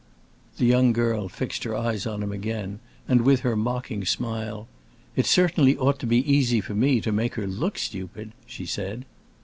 The young girl fixed her eyes on him again, and with her mocking smile, "It certainly ought to be easy for me to make her look stupid!" she said.